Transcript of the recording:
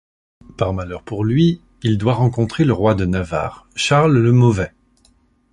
Par malheur pour lui, il doit rencontrer le roi de Navarre, Charles le Mauvais.